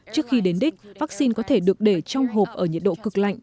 trước khi đến đích vaccine có thể được để trong hộp ở nhiệt độ cực lạnh